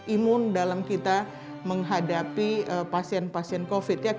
imun dalam kita menghadapi pasien pasien covid